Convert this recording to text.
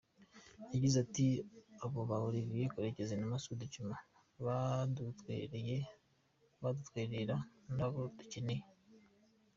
Yagize ati “Abo ba Olivier Karekezi na Masoudi badutwerera ntabo dukeneye.